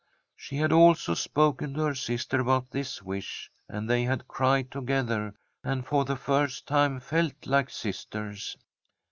" She had also spoken to her sister about this wish, and they had cried together, and for the first time felt like sisters.